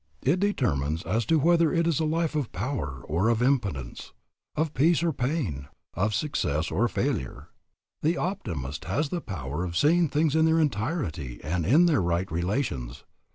It determines as to whether it is a life of power or of impotence, of peace or of pain, of success or of failure. The optimist has the power of seeing things in their entirety and in their right relations.